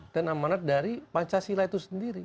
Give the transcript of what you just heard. amanat dari pancasila itu sendiri